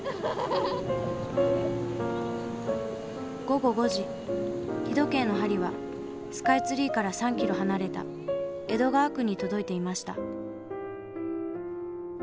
午後５時日時計の針はスカイツリーから３ｋｍ離れた江戸川区に届いていました。